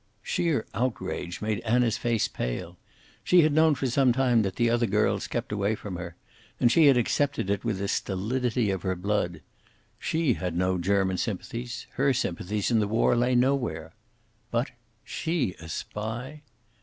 Sheer outrage made Anna's face pale. She had known for some time that the other girls kept away from her, and she had accepted it with the stolidity of her blood. She had no German sympathies; her sympathies in the war lay nowhere. But she a spy!